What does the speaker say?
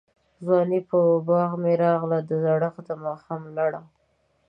دځوانۍ په باغ می راغله، دزړښت دماښام لړه